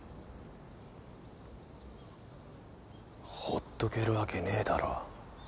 ほっとけるわけねえだろ。